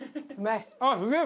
あっすげえ！